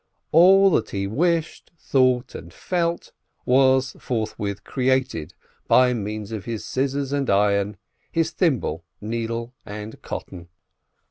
All that he wished, thought, and felt was forthwith created by means of his scissors and iron, his thimble, needle, and cotton.